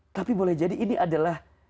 tapi boleh jadi ini adalah